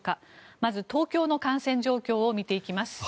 まず、東京の感染状況を見ていきます。